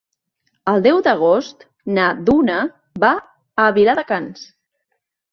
El deu d'agost na Duna va a Viladecans.